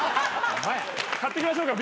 買ってきましょうか？